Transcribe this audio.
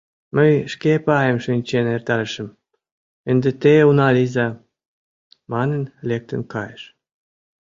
«Мый шке паем шинчен эртарышым, ынде те уна лийза», — манын, лектын кайыш.